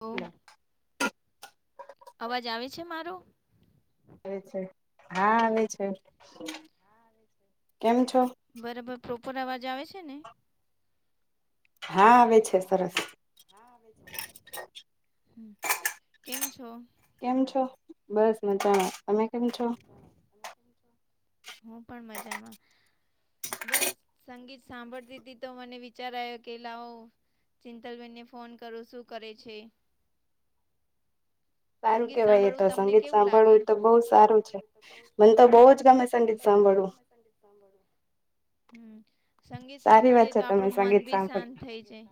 ઑ અવાજ આવે છે મારો છે હા આવે છે કેમ છો? બરાબર પ્રોપર અવાજ આવે છે ને. હા આવે છે સરસ હા હ કેમ છો કેમ છો બસ મજાણ તમે કેમ છો? હું પણ મજામાં. બસ સંગીત સાંભળતી હતી તો મને વિચાર્યો કે લાવો ચિંતલબેનને ફોન કરો શું કરે છે? સંગીત સાંભળવું તમને કેવું લાગે? [inaudible] હમ સંગીત સાંભળીએ તો આપડું મન બી શાંત થઇ જાય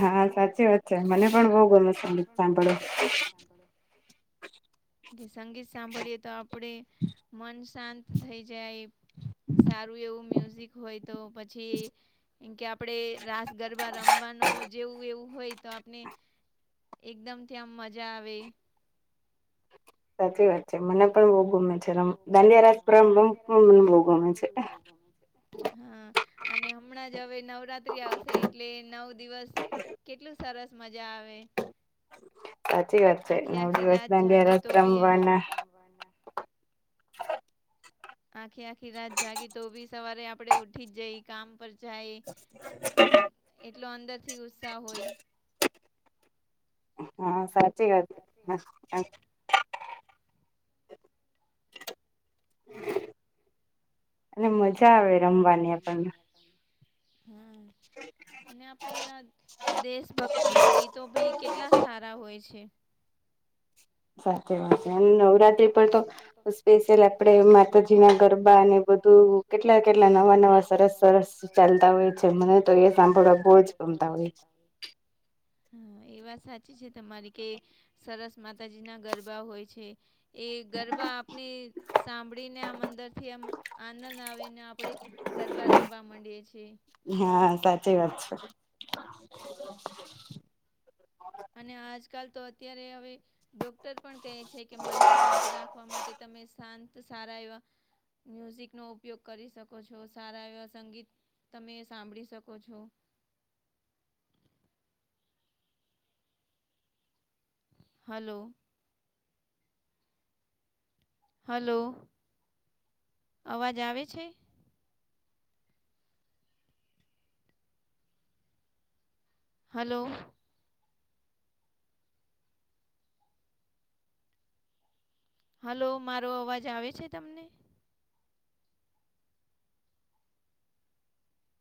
હા સાચી વાત હા સાચી વાત છે મને પણ બહુ ગમે છે સાંભળો કે સંગીત સાંભળીએ તો આપણે મન શાંત થઈ જાય સારું એવું મ્યુઝિક હોય તો પછી એમ કે આપડે રાસ ગરબા રમવાનું જેવું એવું હોય તો આપને એકદમથી આમ મજા આવે સાચી વાત છે મને પણ બહુ ગમે છેમ દંડિયા રાજપુરામ રમ પણ મને બહુ ગમે છે. હા અને હમણાં જ હવે નવરાત્રી આવશે એટલે નવ દિવસ કેટલું સરસ મજા આવે આખી આખી રાત જાગી તો ભી એ [inaudible] આખી આખી રાત જાગી તો બી સવારે આપણે ઉઊઠી જ જઈ કામ પર ચહે એટલો અંદરથી ઉત્સાહ હોય હા સાચી વાત [inaudible] અને મજા આવે રમવાની આપણને હમ્મ [inaudible] અને આપણે દેશભક્તિના ગીતો ભી કેટલા સારા હોય છે. નવરાત્રી પણ તોલ આપે માતાજી ના ગરબા અને બધા ત કેટલા કેટલા નવા નવા સરસ પરસ ચાલતા હોય છે મને તો એ સાંભળવા બહુ જ ગમતા હોય છે. હા એ વાત સાચી છે તમારી કે સરસ માતાજી ના ગરબ બા હોય છે. એ ગરબા આપને સાંભળીને આ અંદર થીમ આનંદ આવી ગરબા રમવા માંડીએ છીચ વા. [inaudible] અને આજકાલ તો અત્યારે હવે ડોક્ટર પણ કહે છે કે મન શાંત રાખવા માટે તમે શાંત સારા એવા મ્યુઝિક નો ઉપયોગ કરી શકો છો સારા એવા સંગીત તમે સાંભળી શકો છો. હલો હલો અવાજ આવે છે. હલો. હલો મારો અવાજ આવે છે તમને?